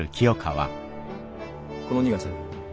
この２月